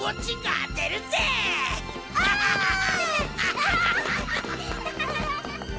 ハハハハ。